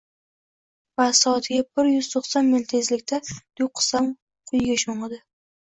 Va soatiga bir yuz to‘qson mil tezlikda tuyqusdan quyiga sho‘ng‘idi.